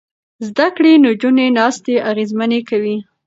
زده کړې نجونې ناستې اغېزمنې کوي.